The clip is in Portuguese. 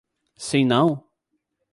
Sim não?